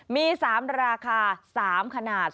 มี๓ราคา๓ขนาด